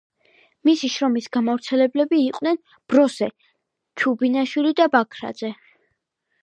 მისი შრომის გამავრცელებლები იყვნენ ბროსე, ჩუბინაშვილი და ბაქრაძე.